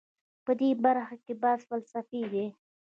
په دې برخه کې بحث فلسفي دی.